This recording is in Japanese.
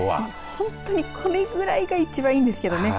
本当にこれくらいが一番いいんですけどね。